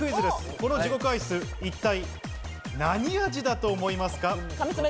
この地獄アイス、一体何味だと思いますか？